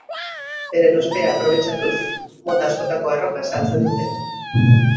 Beren ospea aprobetxatuz, mota askotako arropa saltzen dute.